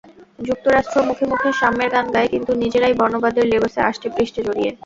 যুক্তরাষ্ট্র মুখে মুখে সাম্যের গান গায়, কিন্তু নিজেরাই বর্ণবাদের লেবাসে আষ্টেপৃষ্ঠে জড়িয়ে।